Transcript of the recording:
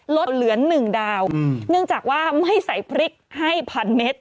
เหลือหนึ่งดาวเนื่องจากว่าไม่ใส่พริกให้พันเมตร